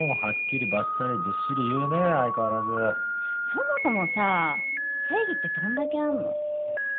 そもそもさ正義ってどんだけあんの？